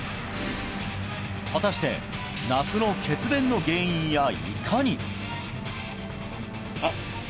果たして那須の血便の原因やいかに？